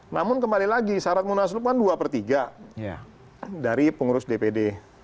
namun kembali lagi syarat munaslup kan dua per tiga dari pengurus dpd